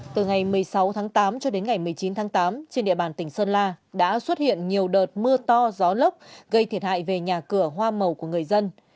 từ ngày một mươi sáu tháng tám cho đến ngày một mươi chín tháng tám trên địa bàn tỉnh sơn la đã xuất hiện nhiều đợt mưa to gió lốc gây thiệt hại về nhà cửa hoa màu của người dân